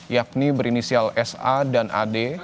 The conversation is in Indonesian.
yakni berinisial sa dan ad